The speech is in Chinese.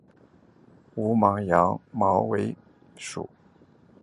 无芒羊茅为禾本科羊茅属下的一个种。